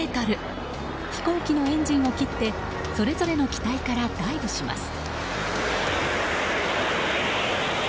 飛行機のエンジンを切ってそれぞれの機体からダイブします。